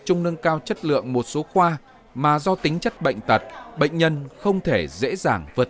trung nâng cao chất lượng một số khoa mà do tính chất bệnh tật bệnh nhân không thể dễ dàng vượt